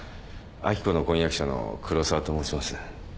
明子の婚約者の黒沢と申します。